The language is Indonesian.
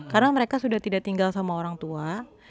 karena mereka sudah tidak tinggal sama orang tua